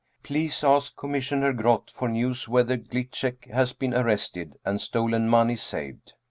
Please ask Commissioner Groth for news whether Gliczek has been arrested and stolen money saved."